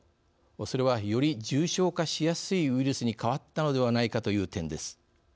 それはより重症化しやすいウイルスに変わったのではないかという点です。